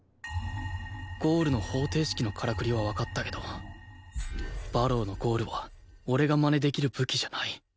ゴールの方程式のカラクリはわかったけど馬狼のゴールは俺がまねできる武器じゃない